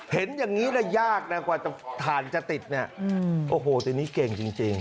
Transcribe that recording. เห็นอย่างนี้นะยากนะกว่าถ่านจะติดเนี่ยโอ้โหทีนี้เก่งจริง